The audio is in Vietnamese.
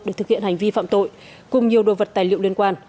để thực hiện hành vi phạm tội cùng nhiều đồ vật tài liệu liên quan